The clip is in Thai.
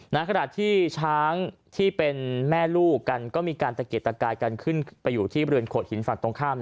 ขณะที่ช้างที่เป็นแม่ลูกกันก็มีการตะเกียดตะกายกันขึ้นไปอยู่ที่บริเวณโขดหินฝั่งตรงข้าม